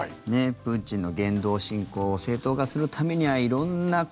プーチンの言動、侵攻を正当化するためには色んな。